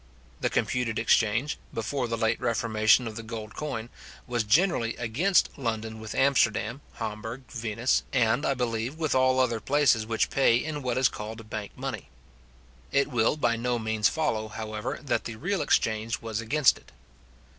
The computed exchange, before the late reformation of the gold coin, was generally against London with Amsterdam, Hamburg, Venice, and, I believe, with all other places which pay in what is called bank money. It will by no means follow, however, that the real exchange was against it.